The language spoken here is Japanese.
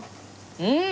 うん！